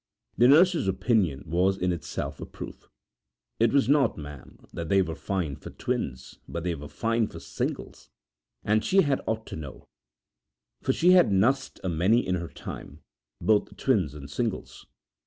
The nurse's opinion was in itself a proof. It was not, ma'am, that they was fine for twins, but they was fine for singles, and she had ought to know, for she had nussed a many in her time, both twins and singles.